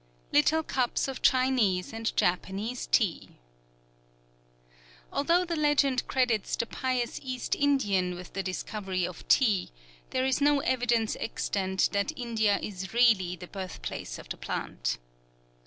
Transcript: LITTLE CUPS OF CHINESE AND JAPANESE TEA Although the legend credits the pious East Indian with the discovery of tea, there is no evidence extant that India is really the birthplace of the plant.